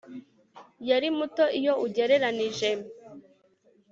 Yari muto iyo ugereranije